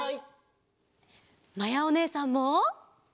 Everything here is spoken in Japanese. まやおねえさんも！